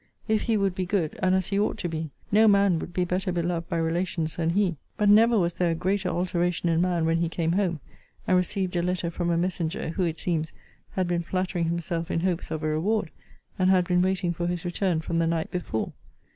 If he would be good, and as he ought to be, no man would be better beloved by relations than he. But never was there a greater alteration in man when he came home, and received a letter from a messenger, who, it seems, had been flattering himself in hopes of a reward, and had been waiting for his return from the night before.